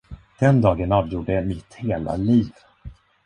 Den dagen avgjorde mitt hela liv.